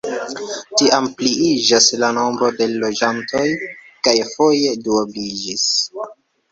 Tiam pliiĝas la nombro de loĝantoj kaj foje duobliĝis.